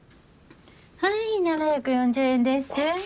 はい７４０円です。